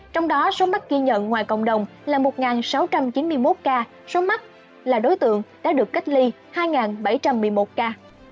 trong đó số mắc ghi nhận ngoài cộng đồng là một sáu trăm chín mươi một ca số mắc là đối tượng đã được cách ly hai bảy trăm một mươi một ca